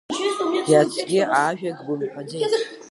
Иацгьы ажәак бымҳәаӡеит…